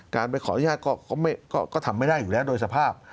การไปขออนุญาตก็ทำไม่ได้อยู่แล้วโดยสภาพ